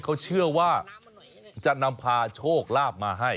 เขาเชื่อว่าจะนำพาโชคลาภมาให้